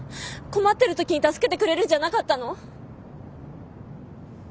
困ってる時に助けてくれるんじゃなかったの？